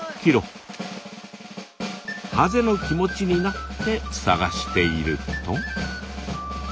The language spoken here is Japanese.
ハゼの気持ちになって探していると。